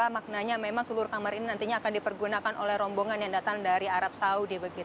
maknanya memang seluruh kamar ini nantinya akan dipergunakan oleh rombongan yang datang dari arab saudi